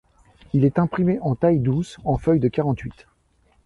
Il est imprimé en taille-douce en feuille de quarante-huit.